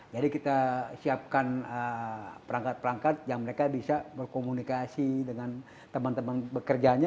jadi kita siapkan perangkat perangkat yang mereka bisa berkomunikasi dengan teman teman bekerjanya